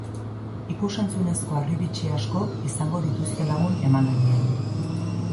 Ikus-entzunezko harribitxi asko izango dituzte lagun emanaldian.